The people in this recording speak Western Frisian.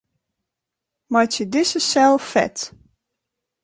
Meitsje dizze sel fet.